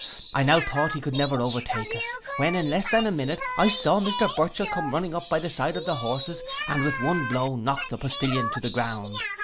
I now thought he could never overtake us, when in less than a minute I saw Mr Burchell come running up by the side of the horses, and with one blow knock the postillion to the ground.